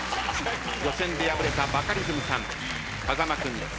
予選で敗れたバカリズムさん風間君指原さん